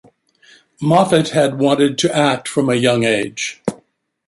Moffatt had wanted to act from a young age.